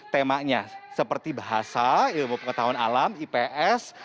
temanya seperti bahasa ilmu pengetahuan alam ips